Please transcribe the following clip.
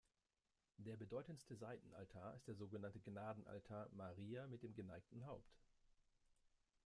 Der bedeutendste Seitenaltar ist der sogenannte Gnadenaltar "Maria mit dem geneigten Haupt".